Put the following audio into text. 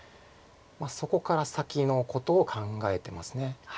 そこから先のことを考えてます。